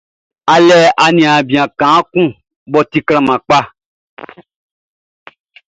A le aniaan bian kaan kun mʼɔ ti klanman kpaʼn.